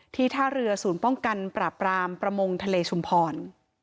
ท่าเรือศูนย์ป้องกันปราบรามประมงทะเลชุมพร